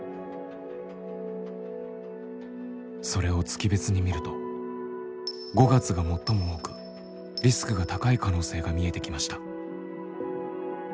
それを月別に見ると５月が最も多くリスクが高い可能性が見えてきました。